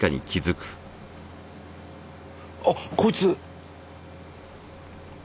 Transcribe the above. あっこいつ。